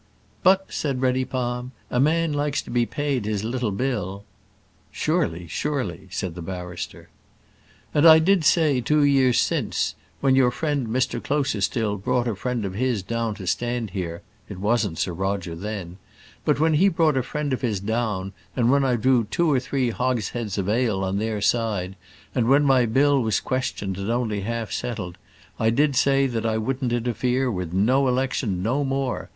"But," said Reddypalm, "a man likes to be paid his little bill." "Surely, surely," said the barrister. "And I did say two years since, when your friend Mr Closerstil brought a friend of his down to stand here it wasn't Sir Roger then but when he brought a friend of his down, and when I drew two or three hogsheads of ale on their side, and when my bill was questioned and only half settled, I did say that I wouldn't interfere with no election no more.